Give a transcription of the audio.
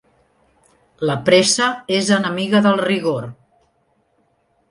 La pressa és enemiga del rigor.